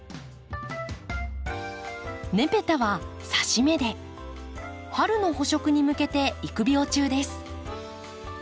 ネペタは挿し芽で春の補植に向けて育苗中です。